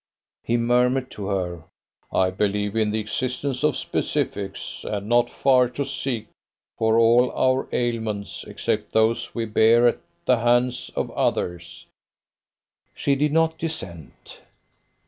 He murmured to her: "I believe in the existence of specifics, and not far to seek, for all our ailments except those we bear at the hands of others." She did not dissent.